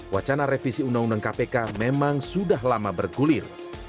wacana revisi undang undang kpk memang sudah lama bergulir